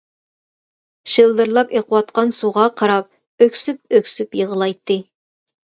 شىلدىرلاپ ئېقىۋاتقان سۇغا قاراپ ئۆكسۈپ-ئۆكسۈپ يىغلايتتى.